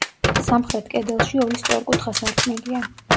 სამხრეთ კედელში ორი სწორკუთხა სარკმელია.